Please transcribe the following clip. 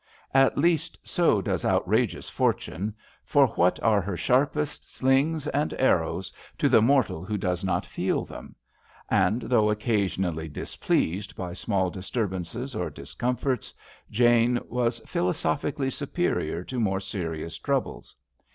At least so does outrageous Fortune, for what are her sharpest slings and arrows 83 HAMPSHIRE VIGNETTES to the mortal who does not feel them ; and though occasionally displeased by small disturbances or discomforts, Jane was philo sophically superior to more serious troubles.